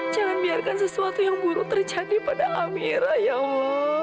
jangan biarkan sesuatu yang buruk terjadi pada amira ya allah